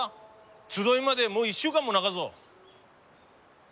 「集い」までもう１週間もなかぞ。